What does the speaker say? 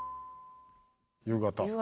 夕方。